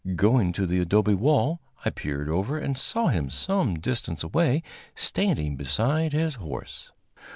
Going to the adobe wall, I peered over and saw him some distance away standing beside his horse.